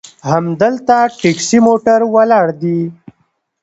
همدلته ټیکسي موټر ولاړ دي.